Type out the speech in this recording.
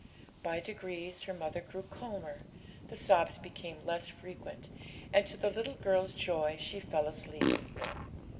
By degrees her mother grew calmer, the sobs became less frequent, and, to the little girl's joy, she fell asleep.